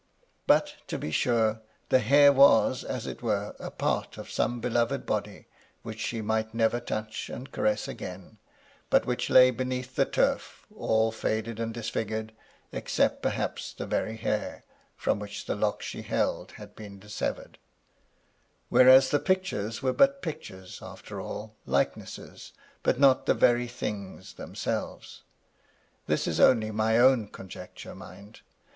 But, to be sure, the hair was, as it were, a part of some beloved body which she might never touch and caress again, but which lay beneath the turf, all faded and disfigured, except perhaps the very hair, from which the lock she held had been dissevered ; whereas the pictures were but pictures after all — likenesses, but not the very things themselves. This is only my own conjecture, mind.